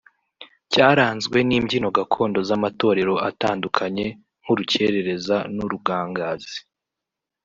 Cyaranzwe n’imbyino gakondo z’amatorero atandukanye nk’urukerereza n’urugangazi